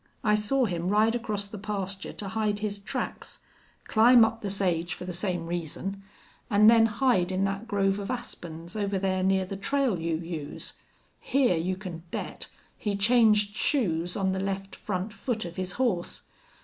I saw him ride across the pasture to hide his tracks, climb up the sage for the same reason, an' then hide in that grove of aspens over there near the trail you use. Here, you can bet, he changed shoes on the left front foot of his horse.